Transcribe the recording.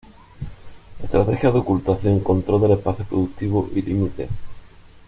Estrategias de ocultación, control del espacio productivo y límites.